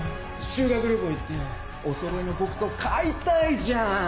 修学旅行行っておそろいの木刀買いたいじゃん。